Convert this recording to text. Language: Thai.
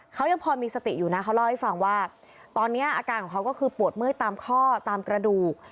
เขายังพอมีสติอยู่นะเขาเล่าให้ฟังว่าตอนนี้อาการของเขาก็คือปวดเมื่อยตามข้อตามกระดูก